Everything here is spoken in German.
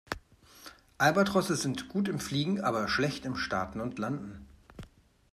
Albatrosse sind gut im Fliegen, aber schlecht im Starten und Landen.